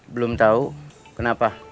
belum tahu kenapa